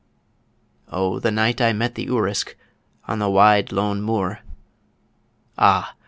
O the night I met the Urisk on the wide, lone moor! Ah!